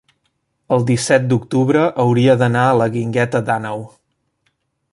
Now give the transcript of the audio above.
el disset d'octubre hauria d'anar a la Guingueta d'Àneu.